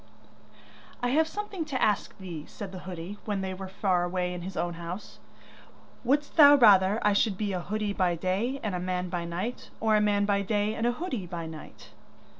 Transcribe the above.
'I have something to ask thee,' said the hoodie when they were far away in his own house. 'Wouldst thou rather I should be a hoodie by day and a man by night, or a man by day and a hoodie by night?